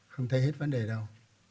không thấy hết vấn đề đâu